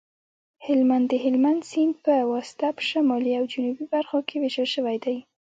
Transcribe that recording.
هلمند د هلمند سیند په واسطه په شمالي او جنوبي برخو ویشل شوی دی